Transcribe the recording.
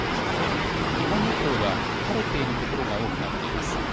日本列島は晴れている所が多くなっています。